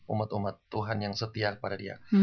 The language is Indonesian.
umat umat tuhan yang setia kepada dia